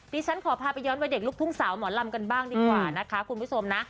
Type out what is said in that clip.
ฉันขอพาไปย้อนวัยเด็กลูกทุ่งสาวหมอลำกันบ้างดีกว่านะคะคุณผู้ชมนะ